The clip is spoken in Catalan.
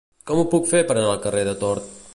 Com ho puc fer per anar al carrer de Tort?